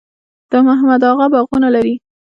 د محمد اغه باغونه لري